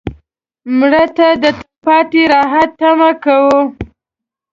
مړه ته د تلپاتې راحت تمه کوو